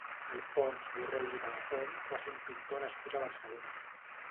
Alfons Borrell i Palazón va ser un pintor nascut a Barcelona.